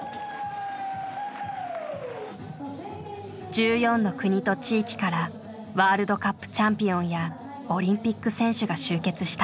１４の国と地域からワールドカップチャンピオンやオリンピック選手が集結した。